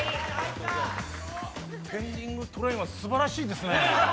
「ペンディングトレイン」はすばらしいですね。